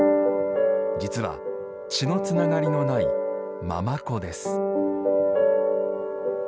実は血のつながりのない継子です。